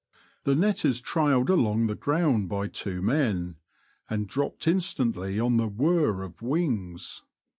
The net is trailed along the ground by two men, and dropped in stantly on the whirr of wings.